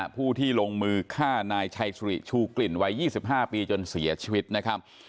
ผู้ที่ลงมือฆ่านายชัยสุริชูกลิ่นวัย๒๕ปีจนเสียชีวิตนะครับ